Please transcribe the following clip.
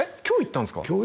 今日行ったんよ